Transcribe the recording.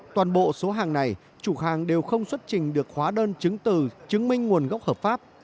toàn bộ số hàng này chủ hàng đều không xuất trình được hóa đơn chứng từ chứng minh nguồn gốc hợp pháp